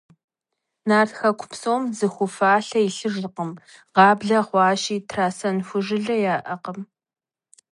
Нарт хэку псом зы ху фалъэ илъыжкъым, гъаблэ хъуащи, трасэн ху жылэ яӀэкъым.